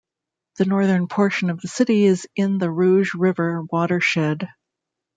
The northern portion of the city is in the Rouge River watershed.